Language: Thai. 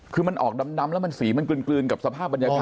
คือมันออกดำแล้วมันสีมันกลืนกับสภาพบรรยากาศ